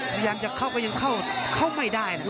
พยายามจะเข้าก็ยังเข้าไม่ได้นะครับ